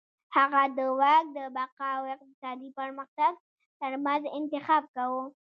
هغه د واک د بقا او اقتصادي پرمختګ ترمنځ انتخاب کاوه.